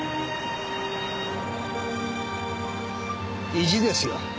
意地ですよ